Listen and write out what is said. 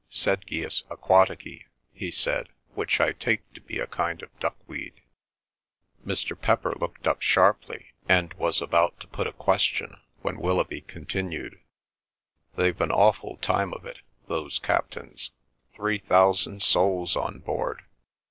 'Sedgius aquatici,' he said, which I take to be a kind of duck weed." Mr. Pepper looked up sharply, and was about to put a question when Willoughby continued: "They've an awful time of it—those captains! Three thousand souls on board!"